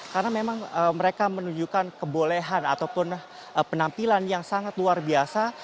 karena memang mereka menunjukkan kebolehan ataupun penampilan yang sangat luar biasa